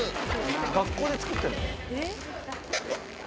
学校で作ってるの？え？